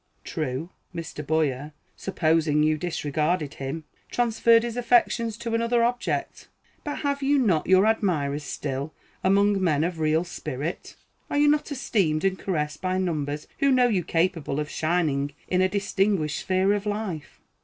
True, Mr. Boyer, supposing you disregarded him, transferred his affections to another object; but have you not your admirers still among men of real merit? Are you not esteemed and caressed by numbers who know you capable of shining in a distinguished sphere of life?